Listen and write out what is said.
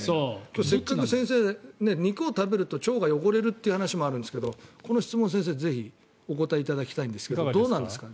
今日、せっかく先生、肉を食べると腸が汚れるという話もあるんですけどこの質問にぜひお答えいただきたいんですがどうなんですか？